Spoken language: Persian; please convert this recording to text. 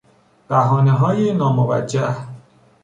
بهانههای ناموجه